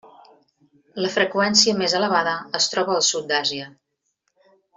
La freqüència més elevada es troba al sud d'Àsia.